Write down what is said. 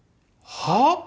はあ？